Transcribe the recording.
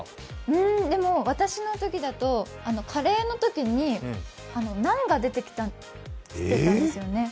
私のときだとカレーのときにナンが出てきたんですよね。